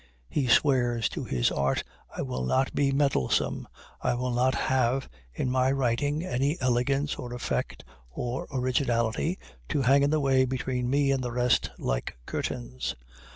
He swears to his art, I will not be meddlesome, I will not have in my writing any elegance, or effect, or originality, to hang in the way between me and the rest like curtains.